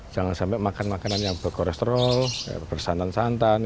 jangan sampai makan makanan yang berkolesterol bersantan santan